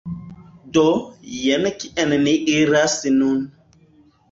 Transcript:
Do, jen kien ni iras nun